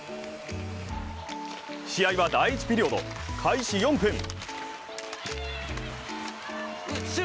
試合は第１ピリオド、開始４分。